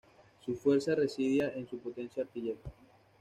Su fuerza residía en su potencia artillera.